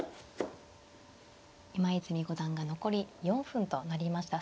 今泉五段が残り４分となりました。